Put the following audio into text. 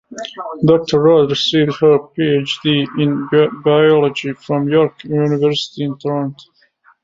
Doctor Rodd received her Ph.D. in Biology from York University in Toronto.